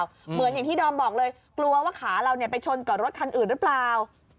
เหมือนอย่างที่ดอมบอกเลยกลัวว่าขาเราไปชนกับรถคันอื่นหรือเปล่า